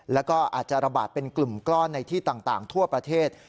แล้วก็อาจจะระบาดเป็นกลุ่มก้อนในที่ต่างทั่วประเทศ